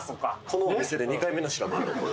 このお店で２回目の白子